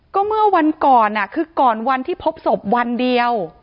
ก็เมื่อวันก่อนคือก่อนวันที่พบศพวันเดียว